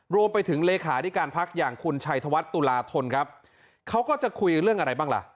รวมไปถึงเลขาธิการพักอย่างคุณชัยธวัฒน์ตุลาธนครับเขาก็จะคุยเรื่องอะไรบ้างล่ะ